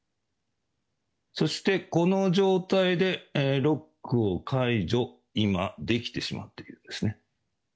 そして、この状態でロックを解除今できてしまっているんですね。